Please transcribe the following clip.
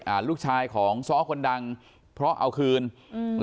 ลูกชายของซ้อคนดังเพราะเอาคืนอืม